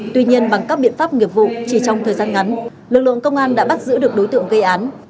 tuy nhiên bằng các biện pháp nghiệp vụ chỉ trong thời gian ngắn lực lượng công an đã bắt giữ được đối tượng gây án